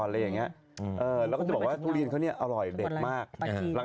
โดยว่าทุเรียนเขาอร่อยใดมากดีมาก